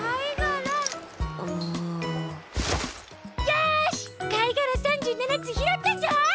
よしかいがら３７つひろったぞ！